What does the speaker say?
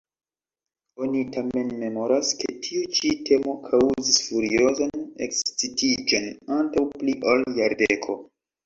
Oni tamen memoras, ke tiu ĉi temo kaŭzis furiozan ekscitiĝon antaŭ pli ol jardeko.